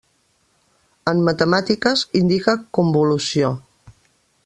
En matemàtiques, indica convolució.